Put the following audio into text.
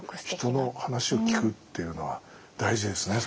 人の話を聞くっていうのは大事ですね